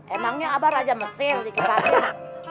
emangnya abah raja mesin